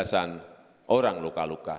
lima tewas dan belasan orang luka luka